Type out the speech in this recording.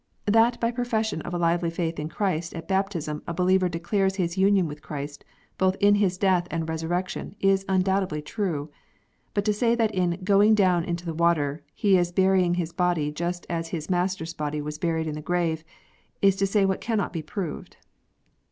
BAPTISM. 9 5 That by profession of a lively faith in Christ at baptism a believer declares his union with Christ, both in His death and resurrection, is undoubtedly true. But to say that in " going down into the water" he is burying his body just as His Master s body was buried in the grave, is to say what cannot be proved.